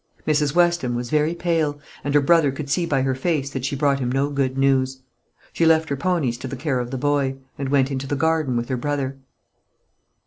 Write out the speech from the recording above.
Mrs. Weston was very pale; and her brother could see by her face that she brought him no good news. She left her ponies to the care of the boy, and went into the garden with her brother.